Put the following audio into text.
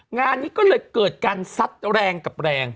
งานนี้ก็เลยเกิดการซัดแรงกับแรง